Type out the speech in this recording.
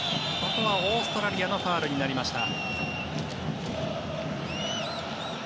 ここはオーストラリアのファウルになりました。